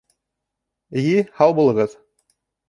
— Эйе. һау булығыҙ!